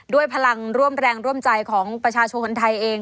พลังร่วมแรงร่วมใจของประชาชนคนไทยเอง